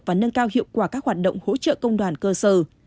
và nâng cao hiệu quả các hoạt động hỗ trợ công đoàn cơ sở